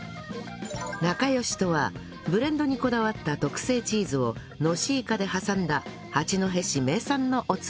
なかよしとはブレンドにこだわった特製チーズをのしいかで挟んだ八戸市名産のおつまみ